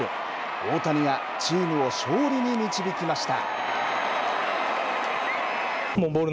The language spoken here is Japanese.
大谷がチームを勝利に導きました。